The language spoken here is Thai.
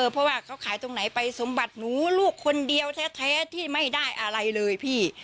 เพราะว่าเขาขายตรงไหนไปสมบัติหนูลูกคนเดียวแท้ที่ไม่ได้อะไรเลยพี่